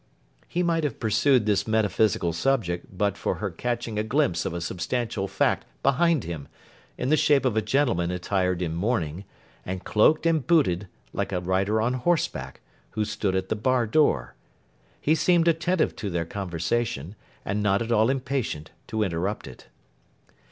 He might have pursued this metaphysical subject but for her catching a glimpse of a substantial fact behind him, in the shape of a gentleman attired in mourning, and cloaked and booted like a rider on horseback, who stood at the bar door. He seemed attentive to their conversation, and not at all impatient to interrupt it.